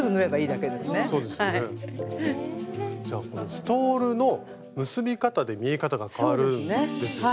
じゃあこのストールの結び方で見え方が変わるんですよね。